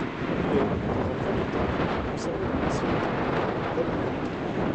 Il est, dans un premier temps, conservé dans l'ancien Hôtel de Ville d'Abbeville.